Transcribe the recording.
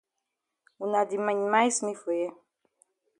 Wuna di minimize me for here.